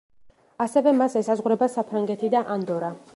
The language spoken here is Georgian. ასევე მას ესაზღვრება საფრანგეთი და ანდორა.